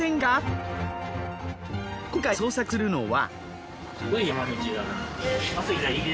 今回捜索するのは。